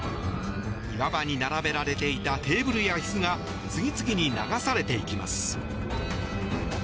岩場に並べられていたテーブルや椅子が次々に流されていきます。